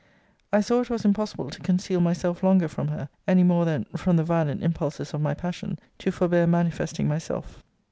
I saw it was impossible to conceal myself longer from her, any more than (from the violent impulses of my passion) to forbear manifesting myself.